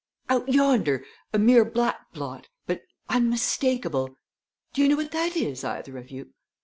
"Out yonder a mere black blot but unmistakable! Do you know what that is, either of you?